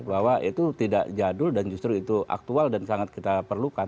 bahwa itu tidak jadul dan justru itu aktual dan sangat kita perlukan